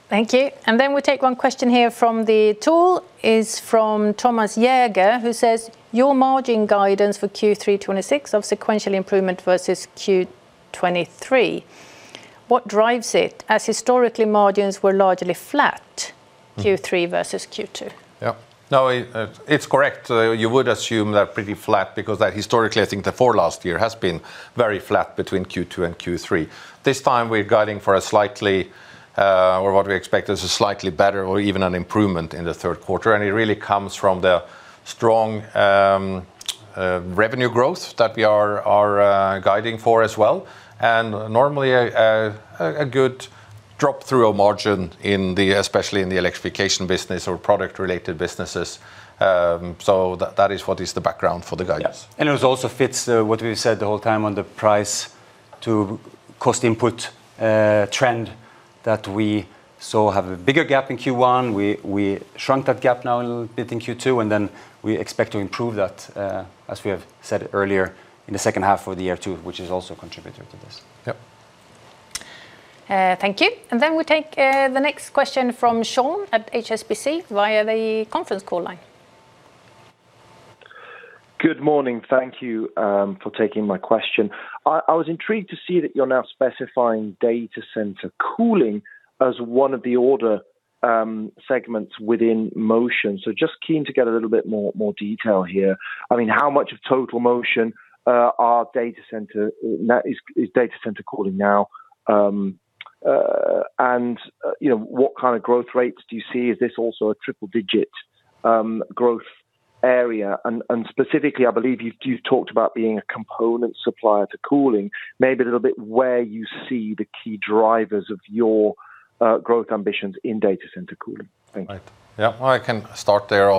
Thank you. And then we'll take one question here from the tool. Is from Thomas Jaeger, who says, your margin guidance for Q3 2026 of sequential improvement versus [Q2 2023], what drives it, as historically, margins were largely flat Q3 versus Q2? Yep. No, it's correct. You would assume they're pretty flat because historically, I think the four last year has been very flat between Q2 and Q3. This time, we're guiding for a slightly, or what we expect, is a slightly better, or even an improvement in the third quarter. It really comes from the strong, revenue growth that we are guiding for as well, and normally a good drop through our margin, especially in the Electrification business or product-related businesses. That is what is the background for the guidance. Yeah, it also fits what we said the whole time on the price to cost input trend that we saw have a bigger gap in Q1. We shrunk that gap now a little bit in Q2, then we expect to improve that, as we have said earlier, in the second half of the year too, which has also contributed to this. Yep. Thank you. We take the next question from Sean at HSBC via the conference call line. Good morning. Thank you, for taking my question. I was intrigued to see that you are now specifying data center cooling as one of the order segments within Motion. Just keen to get a little bit more detail here. How much of total Motion is data center cooling now? What kind of growth rates do you see? Is this also a triple-digit growth area? Specifically, I believe you have talked about being a component supplier to cooling. Maybe a little bit where you see the key drivers of your growth ambitions in data center cooling. Thank you. Right. Yeah. I can start there.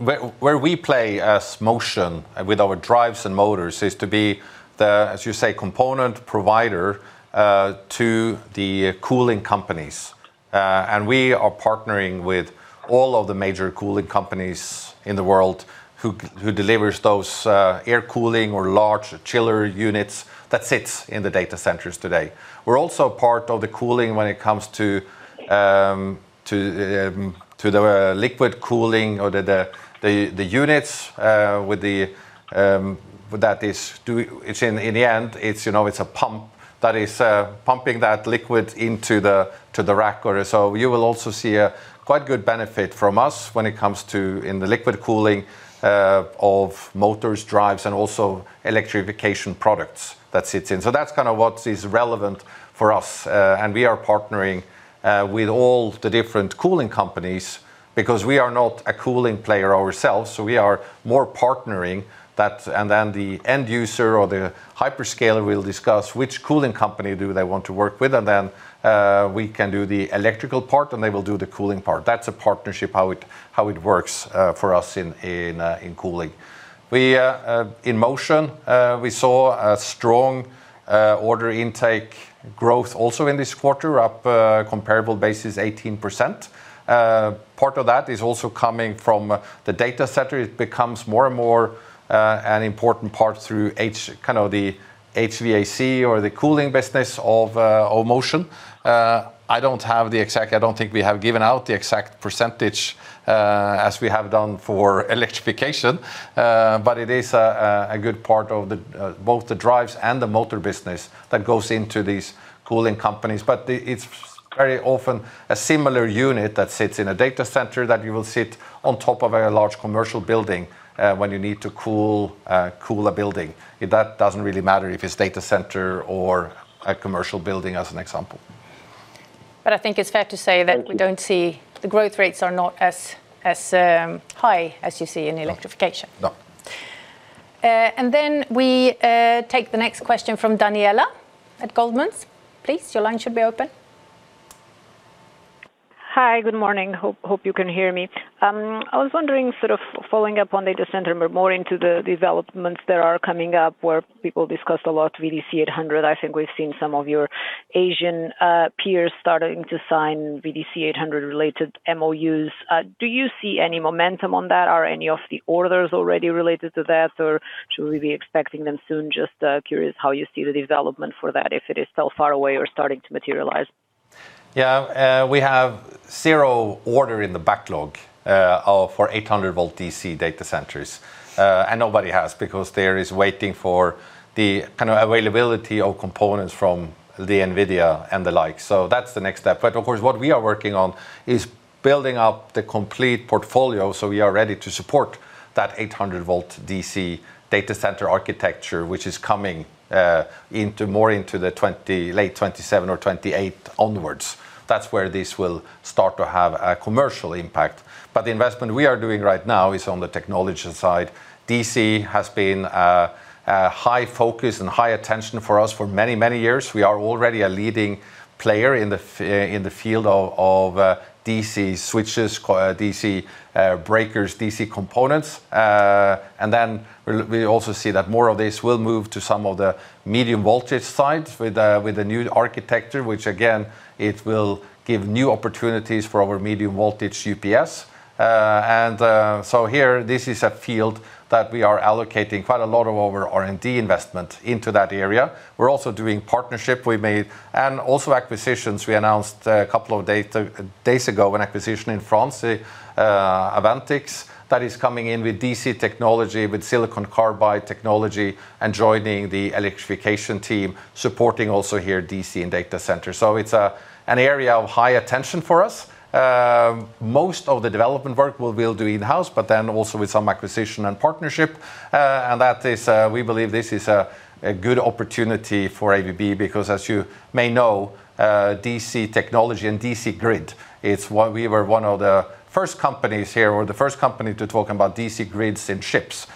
Where we play as Motion with our drives and motors is to be the, as you say, component provider to the cooling companies. We are partnering with all of the major cooling companies in the world who delivers those air cooling or large chiller units that sits in the data centers today. We are also part of the cooling when it comes to the liquid cooling or the units with. In the end, it is a pump that is pumping that liquid into the rack. You will also see a quite good benefit from us when it comes to, in the liquid cooling of motors, drives, and also electrification products that sits in. That is what is relevant for us. We are partnering with all the different cooling companies because we are not a cooling player ourselves, so we are more partnering. The end user or the hyperscaler will discuss which cooling company do they want to work with, and then we can do the electrical part, and they will do the cooling part. That is a partnership, how it works for us in cooling. In Motion, we saw a strong order intake growth also in this quarter, up comparable basis 18%. Part of that is also coming from the data center. It becomes more and more an important part through the HVAC or the cooling business of Motion. I do not think we have given out the exact percentage, as we have done for Electrification. It is a good part of both the drives and the motor business that goes into these cooling companies. It's very often a similar unit that sits in a data center that you will sit on top of a large commercial building, when you need to cool a building. That doesn't really matter if it's data center or a commercial building, as an example. I think it's fair to say that the growth rates are not as high as you see in Electrification. No. We take the next question from Daniela at Goldman. Please, your line should be open. Hi. Good morning. Hope you can hear me. I was wondering, following up on data center, more into the developments that are coming up where people discussed a lot 800 VDC. I think we've seen some of your Asian peers starting to sign 800 VDC related MOUs. Do you see any momentum on that? Are any of the orders already related to that, or should we be expecting them soon? Just curious how you see the development for that, if it is still far away or starting to materialize. We have zero order in the backlog for 800 volt DC data centers. Nobody has, because there is waiting for the availability of components from NVIDIA and the like. That's the next step. Of course, what we are working on is building up the complete portfolio, so we are ready to support that 800 volt DC data center architecture, which is coming more into the late 2027 or 2028 onwards. That's where this will start to have a commercial impact. The investment we are doing right now is on the technology side. DC has been a high focus and high attention for us for many, many years. We are already a leading player in the field of DC switches, DC breakers, DC components. We also see that more of this will move to some of the medium-voltage sides with the new architecture, which again, it will give new opportunities for our medium-voltage UPS. Here, this is a field that we are allocating quite a lot of our R&D investment into that area. We're also doing partnership we made, and also acquisitions we announced a couple of days ago, an acquisition in France, Advantics, that is coming in with DC technology, with silicon carbide technology, and joining the Electrification team, supporting also here DC and data center. It's an area of high attention for us. Most of the development work we'll do in-house, but then also with some acquisition and partnership. We believe this is a good opportunity for ABB because as you may know, DC technology and DC grid, we were one of the first companies here, or the first company to talk about DC grids in ships,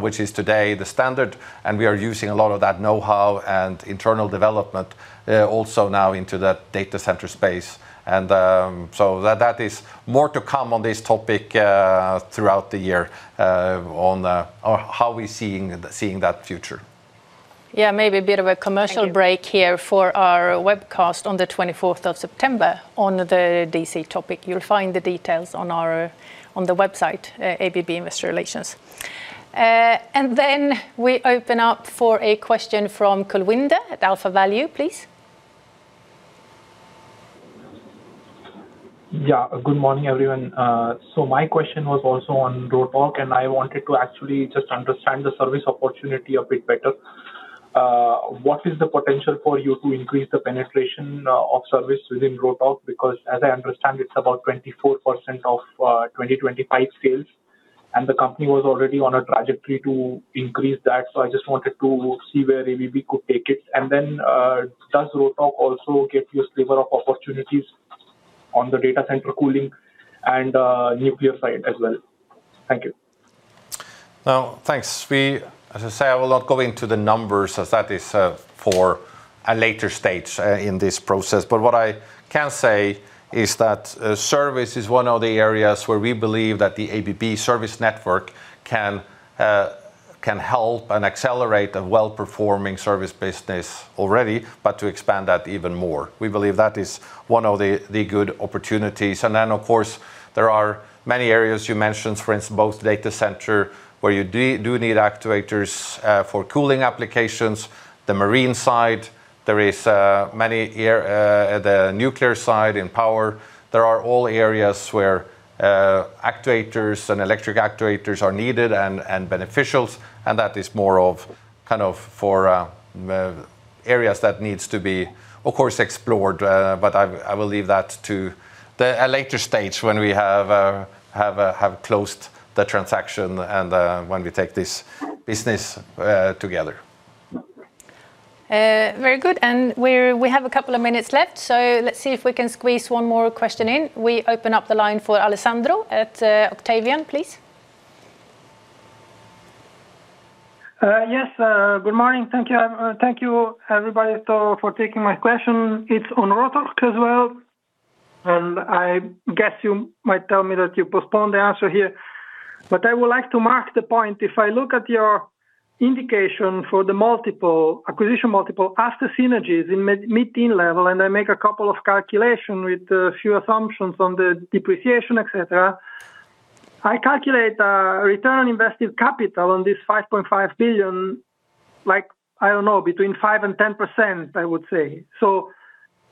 which is today the standard, and we are using a lot of that knowhow and internal development, also now into that data center space. That is more to come on this topic throughout the year on how we're seeing that future. Maybe a bit of a commercial break here for our webcast on the 24th of September on the DC topic. You'll find the details on the website, ABB Investor Relations. We open up for a question from Kulwinder at AlphaValue, please. Good morning, everyone. My question was also on Rotork, and I wanted to actually just understand the service opportunity a bit better. What is the potential for you to increase the penetration of service within Rotork? Because as I understand, it's about 24% of 2025 sales, and the company was already on a trajectory to increase that. I just wanted to see where ABB could take it. Does Rotork also give you a sliver of opportunities on the data center cooling and nuclear side as well? Thank you. Thanks. As I say, I will not go into the numbers as that is for a later stage in this process. What I can say is that service is one of the areas where we believe that the ABB service network can help and accelerate a well-performing service business already, but to expand that even more. We believe that is one of the good opportunities. Of course, there are many areas you mentioned, for instance, both data center, where you do need actuators for cooling applications, the marine side. The nuclear side in power. There are all areas where actuators and electric actuators are needed and beneficial, and that is more of kind of for areas that needs to be, of course, explored. I will leave that to a later stage when we have closed the transaction and when we take this business together. Very good. We have a couple of minutes left, let's see if we can squeeze one more question in. We open up the line for Alessandro at Octavian, please. Yes. Good morning. Thank you, everybody, for taking my question. It's on Rotork as well, I guess you might tell me that you postponed the answer here. I would like to mark the point, if I look at your indication for the acquisition multiple, ask the synergies in mid-teen level, I make a couple of calculation with a few assumptions on the depreciation, et cetera. I calculate a return on invested capital on this $5.5 billion, I don't know, between 5% and 10%, I would say.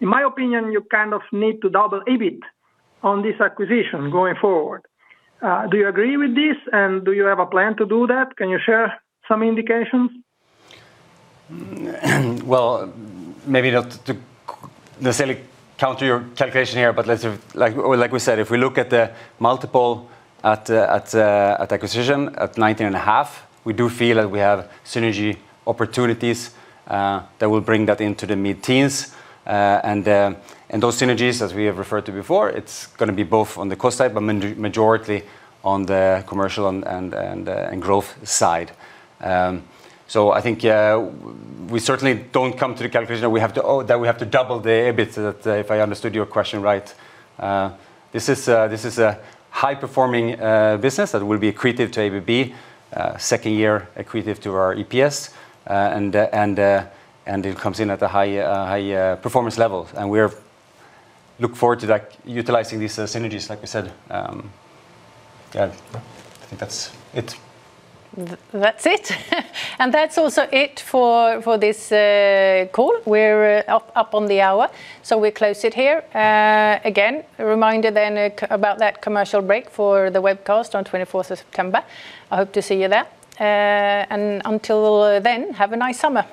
In my opinion, you kind of need to double EBIT on this acquisition going forward. Do you agree with this and do you have a plan to do that? Can you share some indications? Well, maybe not to necessarily counter your calculation here, but like we said, if we look at the multiple at acquisition at 19.5x, we do feel that we have synergy opportunities that will bring that into the mid-teens. Those synergies, as we have referred to before, it's going to be both on the cost side, but majority on the commercial and growth side. I think, we certainly don't come to the calculation that we have to double the EBIT, if I understood your question right. This is a high-performing business that will be accretive to ABB, second year accretive to our EPS. It comes in at a high performance level, and we look forward to utilizing these synergies, like we said. Yeah, I think that's it. That's it. That's also it for this call. We're up on the hour, so we close it here. Again, a reminder then about that commercial break for the webcast on 24th of September. I hope to see you there. Until then, have a nice summer.